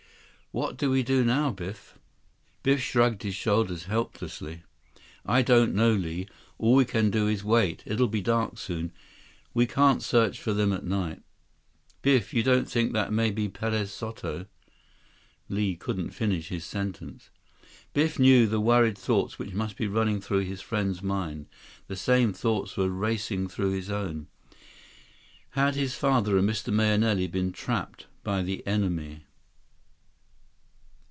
"What do we do now, Biff?" Biff shrugged his shoulders helplessly. "I don't know, Li. All we can do is wait. It'll be dark, soon. We can't search for them at night." "Biff, you don't think that maybe Perez Soto—" Li couldn't finish his sentence. Biff knew the worried thoughts which must be running through his friend's mind. The same thoughts were racing through his own. Had his father and Mr. Mahenili been trapped by the enemy?